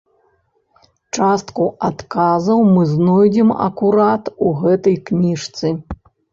Частку адказаў мы знойдзем акурат у гэтай кніжцы.